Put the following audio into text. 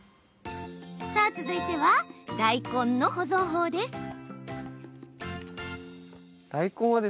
続いては、大根の保存法です。